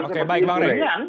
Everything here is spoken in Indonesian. oke baik bang rey